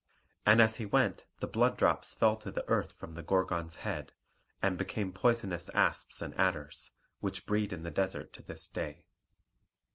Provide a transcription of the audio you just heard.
And as he went the blood drops fell to the earth from the Gorgon's head, and became poisonous asps and adders, which breed in the desert to this day.